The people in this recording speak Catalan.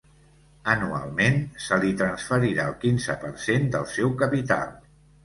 Anualment se li transferirà el quinze per cent del seu capital.